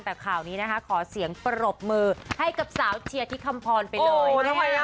แต่ขาวนี้ขอเสียงประลบมือให้กับสาวเชียที่ครังผลไปเลย